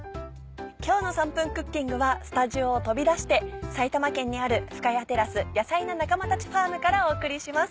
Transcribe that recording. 今日の『３分クッキング』はスタジオを飛び出して埼玉県にある深谷テラス「ヤサイな仲間たちファーム」からお送りします。